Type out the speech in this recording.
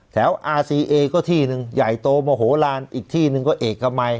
อาซีเอก็ที่หนึ่งใหญ่โตโมโหลานอีกที่หนึ่งก็เอกมัย